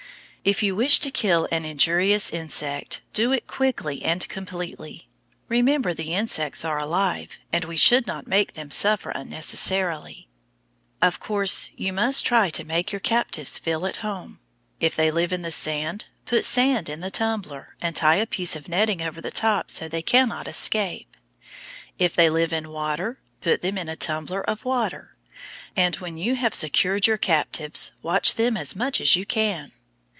If you wish to kill an injurious insect, do it quickly and completely. Remember the insects are alive, and we should not make them suffer unnecessarily. Of course you must try to make your captives feel at home. If they live in the sand, put sand in the tumbler and tie a piece of netting over the top so they cannot escape. If they live in the water, put them in a tumbler of water. And when you have secured your captives, watch them as much as you can.